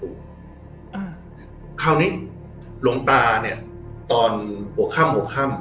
อ่าคราวนี้หลวงตาเนี่ยตอนหัวค่ำหัวค่ำ